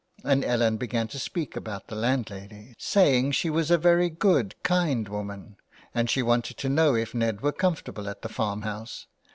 And Ellen began to speak about the landlady, saying 309 THE WILD GOOSE. she was a very good kind woman, and she wanted to know if Ned were comfortable at the farm house.